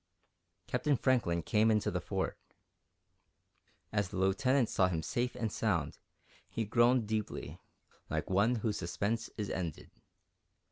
Captain Franklin came into the Fort. As the Lieutenant saw him safe and sound, he groaned deeply, like one whose suspense is ended.